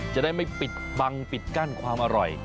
จะได้ไม่ปิดบังปิดกั้นความอร่อย